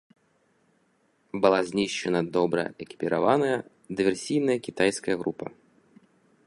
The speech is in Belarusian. Была знішчана добра экіпіраваная дыверсійная кітайская група.